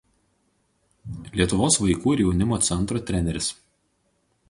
Lietuvos vaikų ir jaunimo centro treneris.